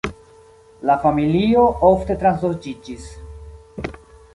La familio ofte transloĝiĝis.